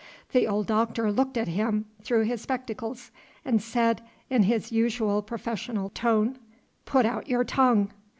The old Doctor looked at him through his spectacles, and said, in his usual professional tone, "Put out your tongue."